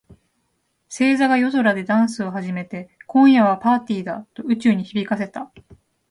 星座が夜空でダンスを始めて、「今夜はパーティーだ！」と宇宙に響かせた。